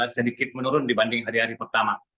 sedikit menurun dibanding hari hari pertama